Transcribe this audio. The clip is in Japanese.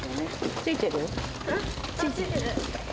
ついてる。